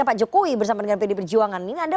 pak jokowi bersama dengan pd perjuangan ini anda